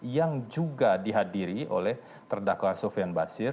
yang juga dihadiri oleh terdakwa sofian basir